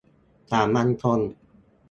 สามัญชน